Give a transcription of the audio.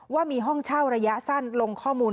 ว่ามีห้องเช่าระยะสั้นลงข้อมูล